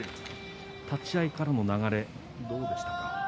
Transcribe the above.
立ち合いからの流れどうでしたか？